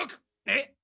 えっ？